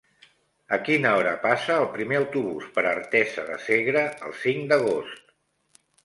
A quina hora passa el primer autobús per Artesa de Segre el cinc d'agost?